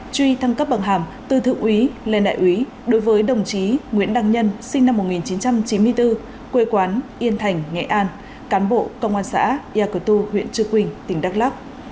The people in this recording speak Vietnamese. truy thăng cấp bậc hàm từ thượng úy lên đại úy đối với đồng chí nguyễn đăng nhân sinh năm một nghìn chín trăm chín mươi bốn quê quán yên thành nghệ an cán bộ công an xã yà cửa tu huyện trư quynh tỉnh đắk lắc